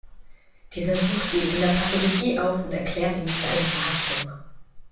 Dieser sucht ihn in der Pathologie auf und erklärt ihm seine Verhaftung.